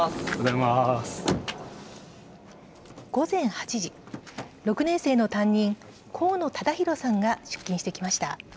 午前８時、６年生の担任光野央浩さんが出勤してきました。